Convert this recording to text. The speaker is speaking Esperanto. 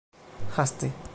haste